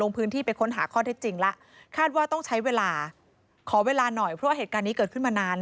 พื้นที่ไปค้นหาข้อเท็จจริงแล้วคาดว่าต้องใช้เวลาขอเวลาหน่อยเพราะว่าเหตุการณ์นี้เกิดขึ้นมานาน